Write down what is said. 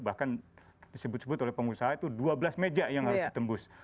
bahkan disebut sebut oleh pengusaha itu dua belas meja yang harus ditembus